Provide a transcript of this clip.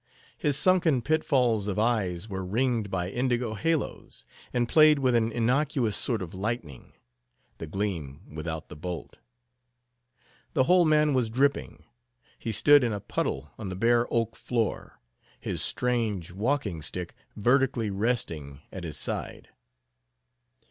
His sunken pitfalls of eyes were ringed by indigo halos, and played with an innocuous sort of lightning: the gleam without the bolt. The whole man was dripping. He stood in a puddle on the bare oak floor: his strange walking stick vertically resting at his side.